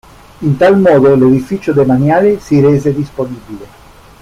In tal modo l'edificio demaniale si rese disponibile.